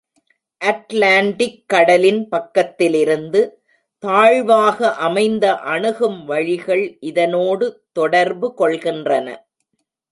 Atlantic கடலின் பக்கத்திலிருந்து, தாழ் வாக அமைந்த அணுகும் வழிகள் இதனோடு தொடர்பு கொள்கின்றன.